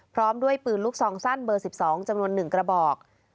พร้อมด้วยปืนลูกซองสั้นเบอร์๑๒จำนวน๑กระบอก